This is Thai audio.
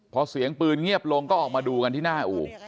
พอเสียงปืนเงียบลงก็ออกมาดูกันที่หน้าอู่